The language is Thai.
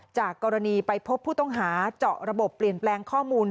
จากกรณีไปพบผู้ต้องหาเจาะระบบเปลี่ยนแปลงข้อมูล